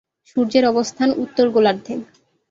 সূর্যের অবস্থান উত্তর গোলার্ধে।